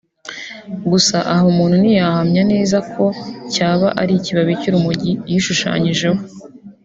Gusa aha umuntu ntiyahamye neza koko ko cyaba ari ikibabi cy’urumogi yishushanyijeho